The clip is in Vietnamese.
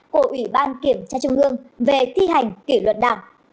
của ủy ban kiểm tra trung ương về thi hành kỷ luật đảng